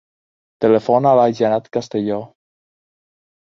Telefona a la Janat Castello.